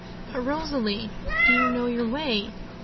'But, Rosalie, do you know your way?'